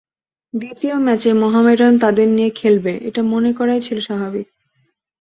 দ্বিতীয় ম্যাচে মোহামেডান তাদের নিয়ে খেলবে, এটা মনে করাই ছিল স্বাভাবিক।